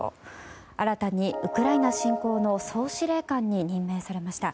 新たにウクライナ侵攻の総司令官に任命されました。